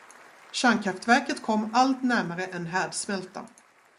kärnkraftverket kom allt närmare en härdsmälta.